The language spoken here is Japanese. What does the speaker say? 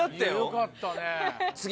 よかったね。